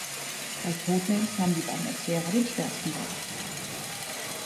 Bei Codenames haben die beiden Erklärer den schwersten Job.